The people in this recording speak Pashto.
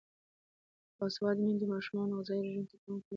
باسواده میندې د ماشومانو غذايي رژیم ته پام کوي.